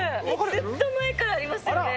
ずっと前からありますよね。